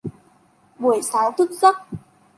Buổi sáng thức giấc